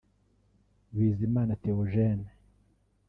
Bizimana Theogene